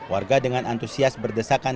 warga dengan antusias berdesakan